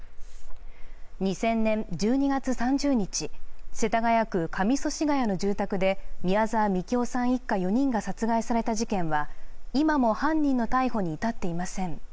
２０００年１２月３０日世田谷区上祖師谷の住宅で宮沢みきおさん一家４人が殺害された事件は今も犯人の逮捕に至っていません。